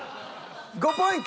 ５ポイント。